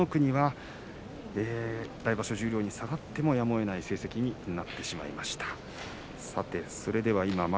千代の国、来場所十両に下がっても、やむをえない成績になってしまいました。